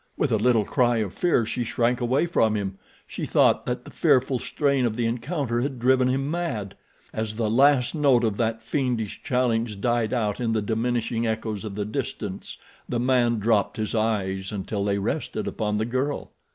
With a little cry of fear she shrank away from him—she thought that the fearful strain of the encounter had driven him mad. As the last note of that fiendish challenge died out in the diminishing echoes of the distance the man dropped his eyes until they rested upon the girl.